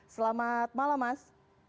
selamat malam mas